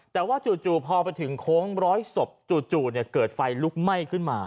แต่ว่าจู่พอไปถึงโค้งร้อยศพจู่เกิดไฟลุกไหม้ขึ้นมา